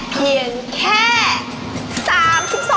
เพียงแค่